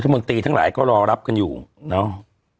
มนตรีทั้งหลายก็รอรับกันอยู่เนาะ